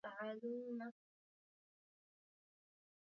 Biashara ilifikia kiwango cha juu